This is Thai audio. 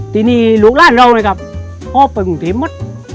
ทีนี้ลูกร้านเราเลยครับพอไปกรุงเทพฯหมด